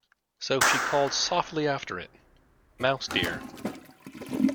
So she called softly after it, ‘Mouse dear!’